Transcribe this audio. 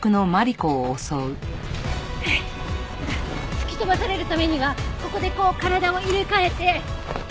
突き飛ばされるためにはここでこう体を入れ替えて。